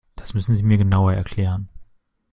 Das müssen Sie mir genauer erklären.